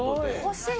欲しい。